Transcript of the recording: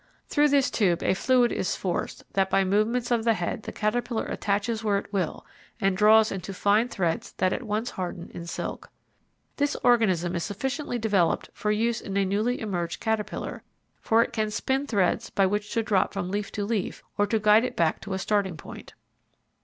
Through this tube a fluid is forced that by movements of the head the caterpillar attaches where it will and draws into fine threads that at once harden in silk. This organism is sufficiently developed for use in a newly emerged caterpillar, for it can spin threads by which to drop from leaf to leaf or to guide it back to a starting point.